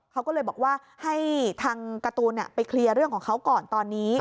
เขาก็เลยบอกว่าให้ทางการ์ตูนไปเคลียร์เรื่องของเขาก่อนตอนนี้